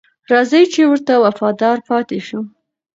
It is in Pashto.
راځئ چې ورته وفادار پاتې شو.